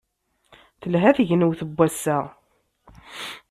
Telha tegnawt n wass-a.